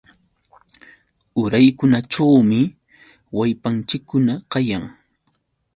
Uraykunaćhuumi wallpanchikkuna kayan.